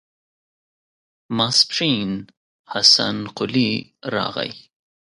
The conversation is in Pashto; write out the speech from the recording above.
ماسپښين حسن قلي راغی.